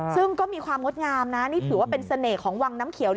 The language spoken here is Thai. ซึ่งก็มีความงดงามนะนี่ถือว่าเป็นเสน่ห์ของวังน้ำเขียว